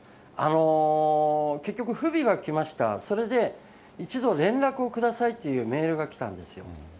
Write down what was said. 結局、不備が来ました、それで一度連絡をくださいっていうメールが来たんですよ。